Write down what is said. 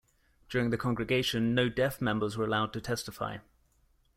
During the congregation, no Deaf members were allowed to testify.